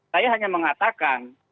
saya hanya mengatakan